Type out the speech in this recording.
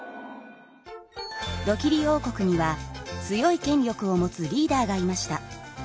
ドキリ王国には強い権力を持つリーダーがいました。